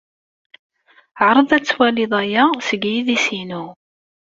Ɛreḍ ad twalid aya seg yidis-inu.